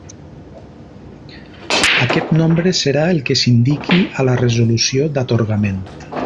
Aquest nombre serà el que s'indiqui a la resolució d'atorgament.